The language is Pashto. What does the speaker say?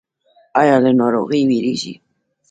ایا له ناروغۍ ویریږئ؟